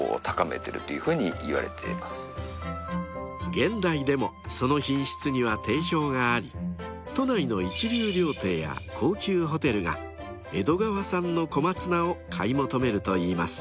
［現代でもその品質には定評があり都内の一流料亭や高級ホテルが江戸川産の小松菜を買い求めるといいます］